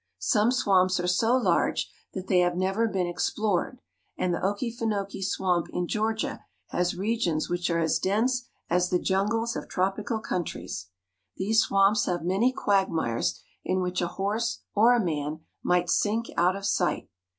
Some swamps are so large that they I30 THE SOUTH. have never been explored, and the Okefinokee Swamp in Georgia has regions which are as dense as the jungles of tropical countries. These swamps have many quagmires in which a horse or a man might sink out of sight.